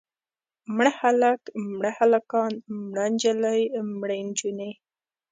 مړ هلک، مړه هلکان، مړه نجلۍ، مړې نجونې.